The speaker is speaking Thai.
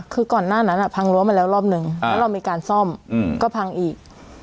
คือก่อนหน้านั้นพังรั้วมาแล้วรอบนึงแล้วเรามีการซ่อมก็พังอีก